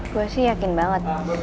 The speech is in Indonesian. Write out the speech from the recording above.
gue sih yakin banget